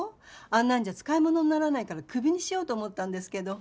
あんなんじゃ使いものにならないからクビにしようと思ったんですけど。